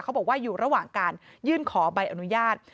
เขาบอกว่าอยู่ระหว่างการยื่นขอใบอนุญาต